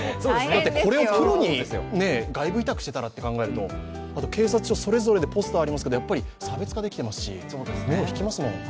だってこれをプロに外部委託してたらと考えるとあと警察署それぞれでポスターがありますけど、差別化されますし目を引きますもん。